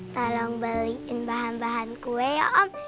tolong beliin bahan bahan kue om